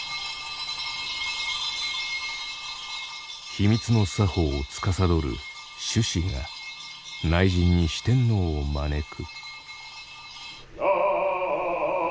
秘密の作法をつかさどる咒師が内陣に四天王を招く。